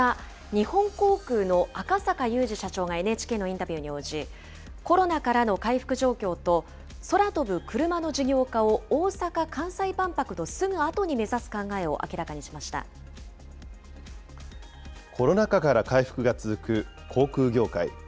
日本航空の赤坂祐二社長がＮＨＫのインタビューに応じ、コロナからの回復状況と、空飛ぶクルマの事業化を大阪・関西万博のすぐあとに目指す考えを明らかにしましコロナ禍から回復が続く航空業界。